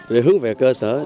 rồi hướng về cơ sở